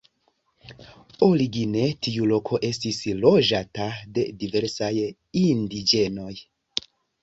Origine tiu loko estis loĝata de diversaj indiĝenoj.